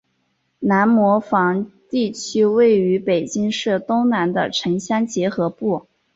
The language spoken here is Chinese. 南磨房地区位于北京市东南的城乡结合部。